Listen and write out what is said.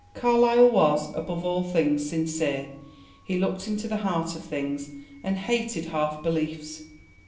] Carlyle was, above all things, sincere; he looked into the heart of things, and hated half beliefs.